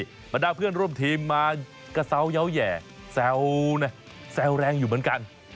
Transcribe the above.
สวัสดีมาได้เพื่อนร่วมทีมมากระเศร้ายาวแหย่แซวแรงอยู่เหมือนกัน